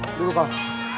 gue dulu pak